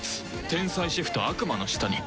天才シェフと悪魔の舌に。